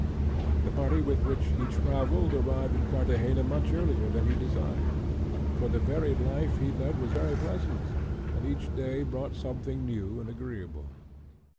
The party with which he travelled arrived at Carthagena much earlier than he desired, for the varied life he led was very pleasant, and each day brought something new and agreeable.